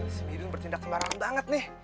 semirin bertindak sembarangan banget nih